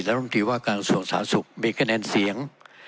และร่วมทีว่าการสวงสาธารณ์ศุกร์มีกระแนนเสียง